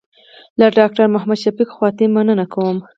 له ډاکټر محمد شفق خواتي مننه کوم.